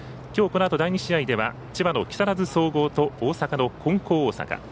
このあと、第２試合では千葉の木更津総合と大阪の金光大阪。